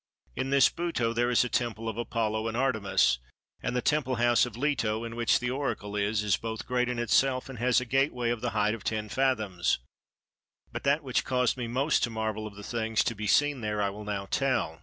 In this Buto there is a temple of Apollo and Artemis; and the temple house of Leto, in which the Oracle is, is both great in itself and has a gateway of the height of ten fathoms: but that which caused me most to marvel of the things to be seen there, I will now tell.